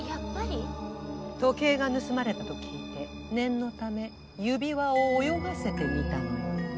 時計が盗まれたと聞いて念のため指輪を泳がせてみたのよ。